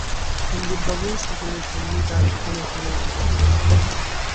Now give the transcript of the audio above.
সন্দীপবাবু সকলের সামনেই তার আলোচনা করতেন।